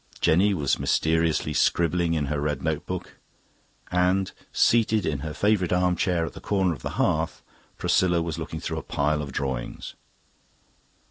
Jenny was mysteriously scribbling in her red notebook. And, seated in her favourite arm chair at the corner of the hearth, Priscilla was looking through a pile of drawings.